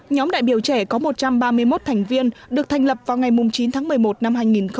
nhóm đại biểu trẻ có một trăm ba mươi một thành viên được thành lập vào ngày chín tháng một mươi một năm hai nghìn một mươi tám